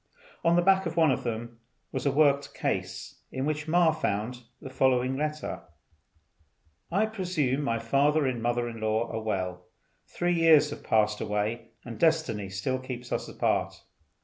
On the back of one of them was a worked case, in which Ma found the following letter: "I presume my father and mother in law are well. Three years have passed away and destiny still keeps us apart.